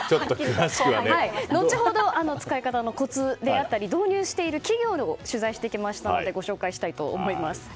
後ほど使い方のコツであったり導入している企業を取材してきましたのでご紹介したいと思います。